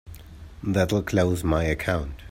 That'll close my account.